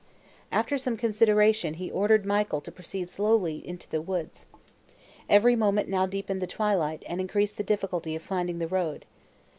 After some consideration, he ordered Michael to proceed slowly to the woods. Every moment now deepened the twilight, and increased the difficulty of finding the road.